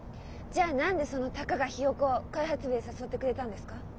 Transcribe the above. じゃあ何でそのたかがヒヨコを開発部へ誘ってくれたんですか？